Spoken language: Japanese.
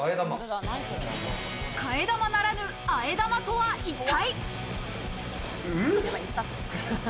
替え玉ならぬ、和え玉とは一体？